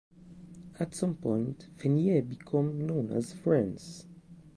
At some point, Fannye became known as Frances.